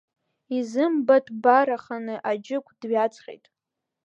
Изымбатәбараханы Аџьықә дҩаҵҟьеит.